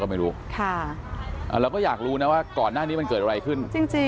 ก็พยายามแจ้งกัน